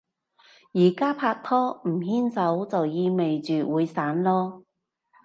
而家拍拖，唔牽手就意味住會散囉